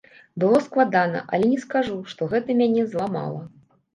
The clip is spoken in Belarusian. Было складана, але не скажу, што гэта мяне зламала.